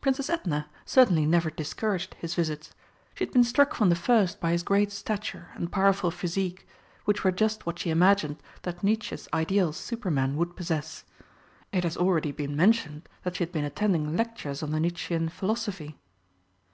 Princess Edna certainly never discouraged his visits. She had been struck from the first by his great stature and powerful physique, which were just what she imagined that Nietzsche's ideal Superman would possess. It has already been mentioned that she had been attending lectures on the Nietzschean philosophy.